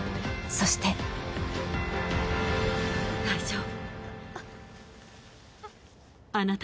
［そして］大丈夫。